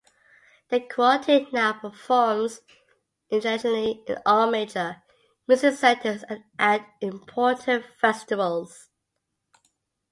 The quartet now performs internationally in all major music centres and at important festivals.